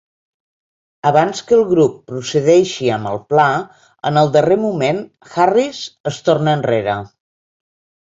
Abans que el grup procedeixi amb el pla, en el darrer moment Harris es torna enrere.